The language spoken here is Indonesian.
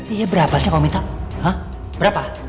iya berapa sih kamu minta